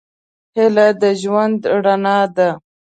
هیلې د ژوند رڼا ده.